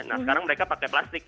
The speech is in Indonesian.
nah sekarang mereka pakai plastik